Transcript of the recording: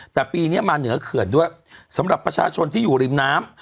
แต่ปีนี้มาเหนือเขื่อนด้วยสำหรับประชาชนที่อยู่ริมน้ำ